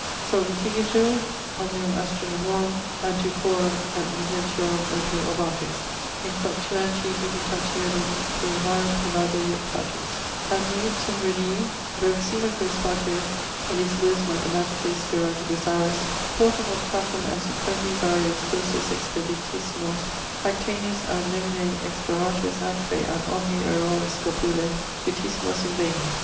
Solus igitur, omnium astronomorum antiquorum et recentiorum ope orbatus, (in fluctuanti dubitationum plurimarum pelago jactatus) ad meipsum redii: brevissimoque spatio (foelicibus mathematicis spirantibus auris) portum optatum assequendi varios cursus expeditissimos hactenus a nemine exploratos atque ab omni erroris scopulo tutissimos inveni.